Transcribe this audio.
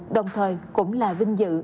đồng thời cũng là vinh dự